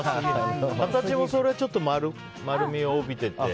形もそれちょっと丸みを帯びてて。